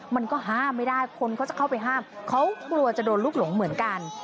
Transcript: มันก็ห้ามไม่ได้คนเขาจะเข้าไปห้ามเขากลัวจะโดนลูกหลงเหมือนกัน